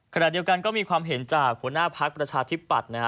ขณะเดียวกันก็มีความเห็นจากหัวหน้าพักประชาธิปัตย์นะฮะ